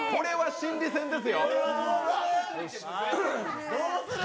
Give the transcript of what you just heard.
心理戦です。